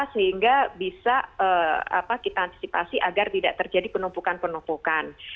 sehingga bisa kita antisipasi agar tidak terjadi penumpukan penumpukan